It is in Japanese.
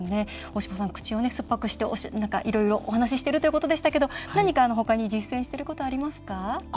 大島さん、口を酸っぱくしていろいろお話ししているということでしたけど何か、ほかに実践していることありますか？